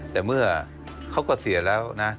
แต่เมื่อเขาก็เสียแล้วนะ